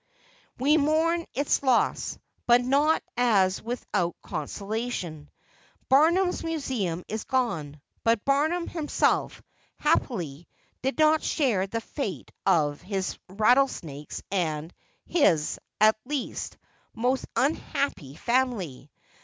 We mourn its loss, but not as without consolation. Barnum's Museum is gone, but Barnum himself, happily, did not share the fate of his rattlesnakes and his, at least, most un "happy Family."